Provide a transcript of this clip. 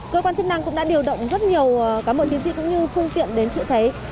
cơ quan chức năng cũng đã điều động rất nhiều cán bộ chiến sĩ cũng như phương tiện đến chữa cháy